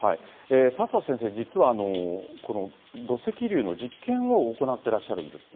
佐々先生、実は、土石流の実験を行ってらっしゃるんですね。